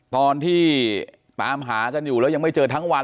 ตอนที่ตามหากันอยู่แล้วยังไม่เจอทั้งวัน